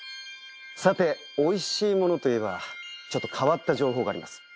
さておいしいものといえばちょっと変わった情報があります。